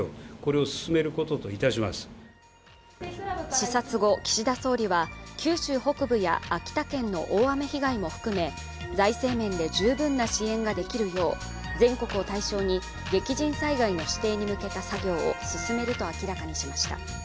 視察後、岸田総理は九州北部や秋田県の大雨被害も含め、財政面で十分な支援ができるよう全国を対象に激甚災害の指定に向けた作業を進めると明らかにしました。